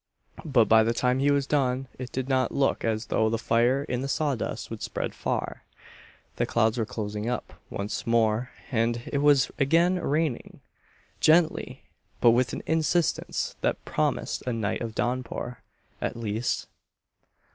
But by the time he was done it did not look as though the fire in the sawdust would spread far. The clouds were closing up once more and it was again raining, gently but with an insistence that promised a night of downpour, at least.